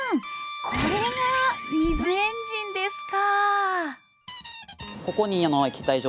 これが水エンジンですか！